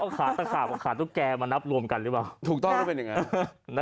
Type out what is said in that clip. ขาตะขาบกับขาตุ๊กแกมานับรวมกันหรือเปล่าถูกต้องแล้วเป็นอย่างนั้น